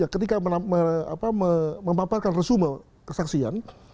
ketika memanfaatkan resume kesaksian